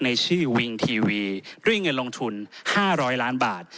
ในชื่อวิงทีวีด้วยเงินลงทุน๕๐๐ล้านบาท